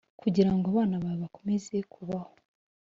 kugira ngo abana bawe bakomeze kubaho.